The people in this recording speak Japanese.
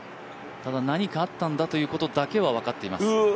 ただ何かあったんだということは分かりますよ。